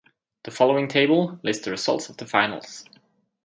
The following table list the results of the finals.